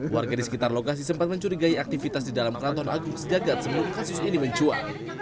warga di sekitar lokasi sempat mencurigai aktivitas di dalam keraton agung sejagat sebelum kasus ini mencuat